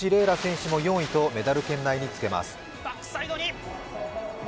楽選手も４位とメダル圏内につけます。